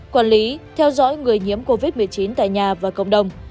quản lý theo dõi người nhiễm covid một mươi chín tại nhà và cộng đồng